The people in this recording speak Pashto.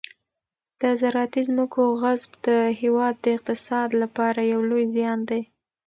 د زراعتي ځمکو غصب د هېواد د اقتصاد لپاره یو لوی زیان دی.